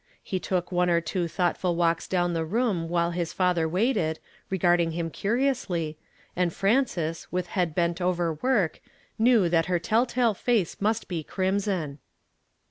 He took one or two thoughtful walks down the room while his father waited, regarding him curiously, and Frances, with head bent over her work, knew that her tell tale face nmst be crimson.